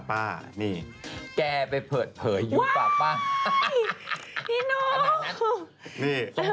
แก่ไปเผิดเผยยุ้ยป้า